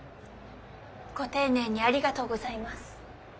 ご丁寧にありがとうございます。